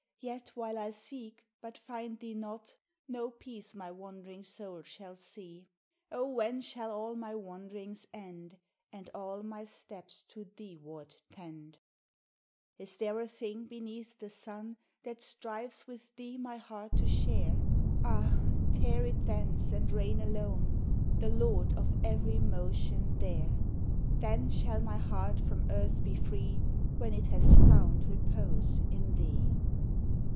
Yet while I seek but find thee not No peace my wand'ring soul shall see. Oh ! when shall all my wand'rings end, And all my steps to thee ward tend? PRA ) ER AND ASPIRATION. L31 Is there a 1 1 1 i 1 1 ja* beneath the sun That strives with thee my heart to share? Ah! tear it thence and reign alone, The Lord of every motion there. Then shall my heart from earth be free, When it has found repose in thee.